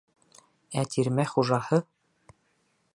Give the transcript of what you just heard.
Ә тирмә хужаһы: